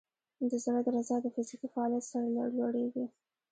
د زړه درزا د فزیکي فعالیت سره لوړېږي.